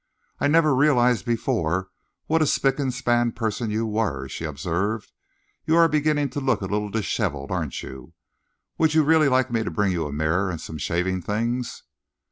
"I never realised before what a spick and span person you were," she observed. "You are beginning to look a little dishevelled, aren't you? Would you really like me to bring you a mirror and some shaving things?"